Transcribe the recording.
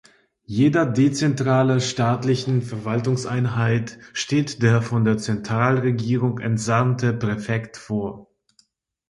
Jeder dezentralen staatlichen Verwaltungseinheit steht der von der Zentralregierung entsandte "Präfekt" vor.